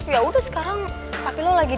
ya udah kita ke rumah